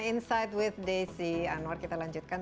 insight with desi anwar kita lanjutkan